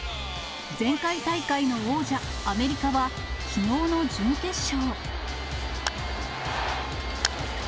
前回大会の王者、アメリカは、きのうの準決勝。